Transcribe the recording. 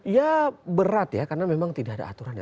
ya berat ya karena memang tidak ada aturannya